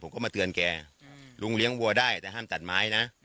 เขาก็มาเตือนแกลุงเลี้ยงวัวได้แต่ห้ามตัดไม้นะ